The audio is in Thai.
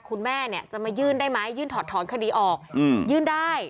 คุณแม่เนี่ยจะมายื่นได้ไหมยื่นถอดถอนคดีออกยื่นได้